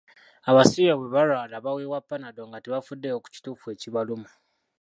Abasibe bwe balwala baweebwa "Panadol" nga tebafuddeyo ku kituufu ekibaluma.